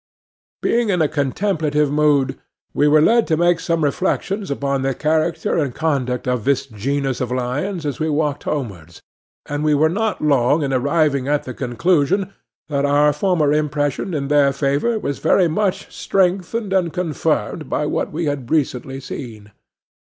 Being in a contemplative mood, we were led to make some reflections upon the character and conduct of this genus of lions as we walked homewards, and we were not long in arriving at the conclusion that our former impression in their favour was very much strengthened and confirmed by what we had recently seen.